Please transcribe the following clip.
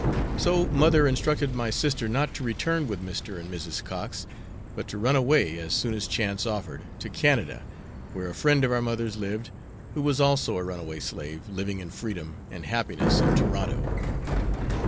So mother instructed my sister not to return with Mr. and Mrs. Cox, but to run away, as soon as chance offered, to Canada, where a friend of our mother's lived who was also a runaway slave, living in freedom and happiness in Toronto.